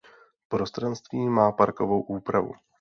Prostranství má parkovou úpravu.